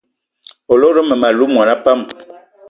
O lot mmem- alou mona pam?